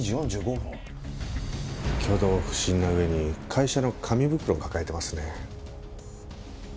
挙動不審な上に会社の紙袋を抱えてますね。